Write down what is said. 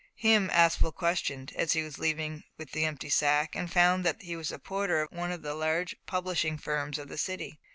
Him Aspel questioned, as he was leaving with the empty sack, and found that he was the porter of one of the large publishing firms of the city.